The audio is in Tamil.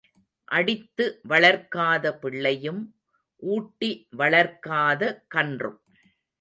அடித்து வளர்க்காத பிள்ளையும் ஊட்டி வளர்க்காத கன்றும்.